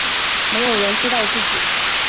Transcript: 没有人知道自己